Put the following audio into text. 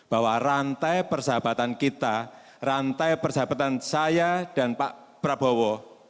bahwa rantai persahabatan kita rantai persahabatan saya dan pak prabowo